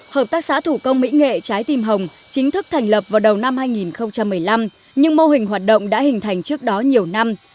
hợp tác xã thủ công mỹ nghệ trái tim hồng chính thức thành lập vào đầu năm hai nghìn một mươi năm nhưng mô hình hoạt động đã hình thành trước đó nhiều năm